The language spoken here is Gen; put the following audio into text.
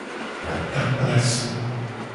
Atakplasu.